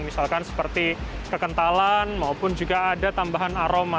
misalkan seperti kekentalan maupun juga ada tambahan aroma